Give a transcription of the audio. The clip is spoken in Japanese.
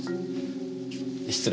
失礼。